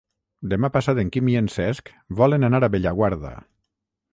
Demà passat en Quim i en Cesc volen anar a Bellaguarda.